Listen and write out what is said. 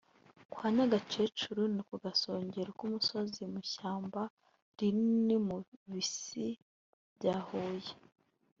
Kwa Nyagakecuru ni ku gasongero k’umusozi mu ishyamba rinini mu Bisi bya Huye